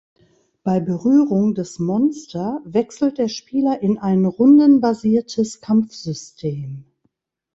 Bei Berührung des Monster wechselt der Spieler in ein rundenbasiertes Kampfsystem.